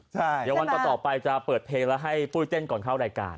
เดี๋ยววันต่อไปจะเปิดเพลงแล้วให้ปุ้ยเต้นก่อนเข้ารายการ